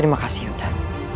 terima kasih ibunda